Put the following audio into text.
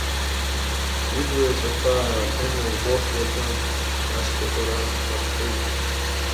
Ибла иаҵәақәа ааҳәыма угәахәратәы, ашкәакәара нархыҩт.